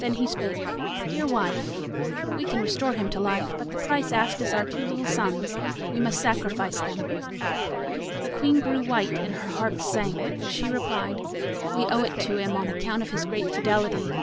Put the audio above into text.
Then he spake: "Dear wife, we can restore him to life, but the price asked is our two little sons; we must sacrifice them." The Queen grew white and her heart sank, but she replied: "We owe it to him on account of his great fidelity."